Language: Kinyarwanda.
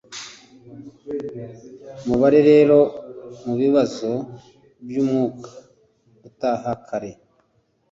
Mubare rero mubibazo byumwaka utaha kare